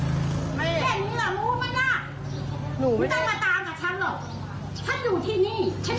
เขาต้องมาตามกับฉันหรอก